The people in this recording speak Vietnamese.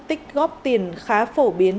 tích góp tiền khá phổ biến